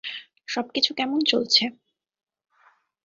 সবকিছু কেমন চলছে?